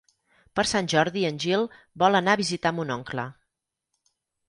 Per Sant Jordi en Gil vol anar a visitar mon oncle.